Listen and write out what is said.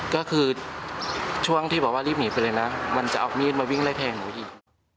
ก็คือช่วงที่บอกว่ารีบหนีไปเลยนะมันจะเอามีดมาวิ่งไล่แทงหนูอีก